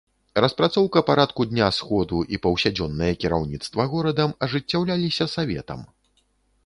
Распрацоўка парадку дня сходу і паўсядзённае кіраўніцтва горадам ажыццяўляліся саветам.